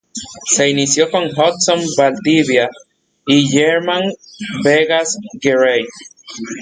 Se inició con Hudson Valdivia y Germán Vegas Garay.